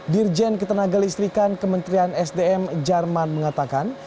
dirjen ketenaga listrikan kementerian sdm jerman mengatakan